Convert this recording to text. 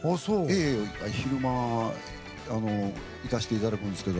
昼間、行かせていただきますが。